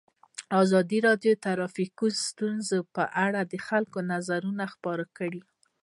ازادي راډیو د ټرافیکي ستونزې په اړه د خلکو نظرونه خپاره کړي.